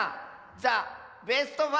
ザ・ベスト５」